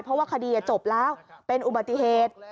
เพราะว่าคดีจบแล้วเป็นอุบัติเหตุ